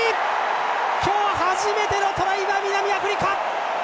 今日初めてのトライは南アフリカ。